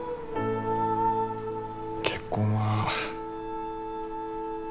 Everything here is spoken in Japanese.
結婚は。